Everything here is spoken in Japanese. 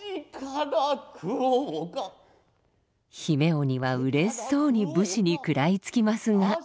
姫鬼はうれしそうに武士に食らいつきますが。